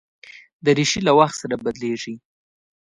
دریشي له وخت سره بدلېږي.